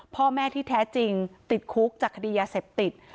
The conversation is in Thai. พ่อแม่ที่แท้จริงติดคุกจากคดียาเสพติด